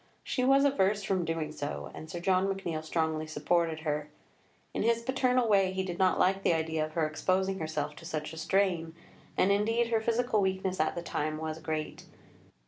She was averse from doing so, and Sir John McNeill strongly supported her. In his paternal way he did not like the idea of her exposing herself to such a strain, and indeed her physical weakness at the time was great.